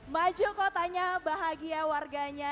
maju kotanya bahagia warganya